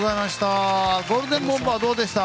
ゴールデンボンバーどうでした？